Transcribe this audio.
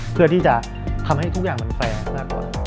เพื่อที่จะทำให้ทุกอย่างมันแฟร์มากกว่า